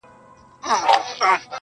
چي پر قام دي خوب راغلی په منتر دی!٫.